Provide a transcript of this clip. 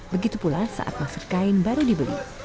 begitu pula saat masker kain baru dibeli